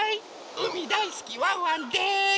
うみだいすきワンワンです！